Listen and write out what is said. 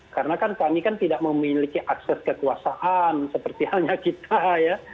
karena kami kan tidak memiliki akses kekuasaan seperti hanya kita ya